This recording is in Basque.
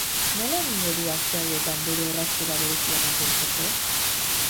Nola egingo du aste hauetan bere orrazkera berezia mantentzeko?